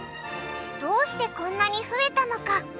どうしてこんなに増えたのか？